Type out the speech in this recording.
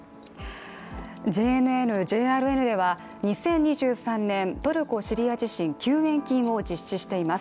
ＪＮＮ・ＪＲＮでは２０２３年トルコ・シリア地震救援金を実施しています。